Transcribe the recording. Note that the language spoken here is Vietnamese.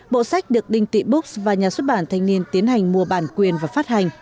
bộ sách được đinh tị bux và nhà xuất bản thanh niên tiến hành mua bản quyền và phát hành